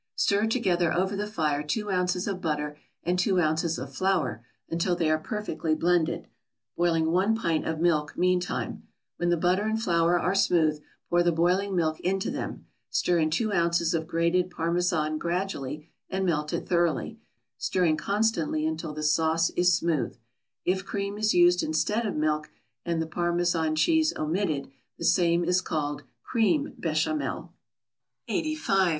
= Stir together over the fire two ounces of butter, and two ounces of flour, until they are perfectly blended, boiling one pint of milk meantime; when the butter and flour are smooth, pour the boiling milk into them, stir in two ounces of grated Parmesan gradually and melt it thoroughly, stirring constantly until the sauce is smooth; if cream is used instead of milk, and the Parmesan cheese omitted, the same is called Cream Béchamel. 85.